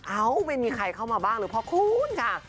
เอ้ามีใครเข้ามาบ้างหรือพ่อคุณค่ะ